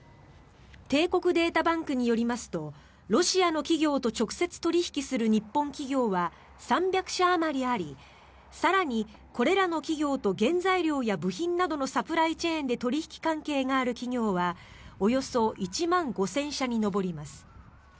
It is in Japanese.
帝国データバンクによりますとロシアの企業と直接取引する日本企業は３００社あまりあり更に、これらの企業と原材料や部品などのサプライチェーンで取引関係がある企業はおよそ１万５０００社に上ります。